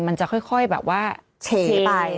มันจะค่อยแบบว่าเฉไป